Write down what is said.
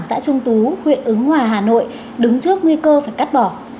xã trung tú huyện ứng hòa hà nội đứng trước nguy cơ phải cắt bỏ